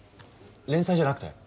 連載じゃなくて？